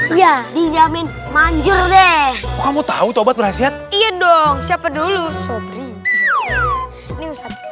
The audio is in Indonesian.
iya dijamin manjur deh kamu tahu obat berhasil iya dong siapa dulu